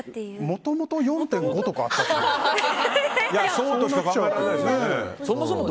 もともと４．５とかあったんですか？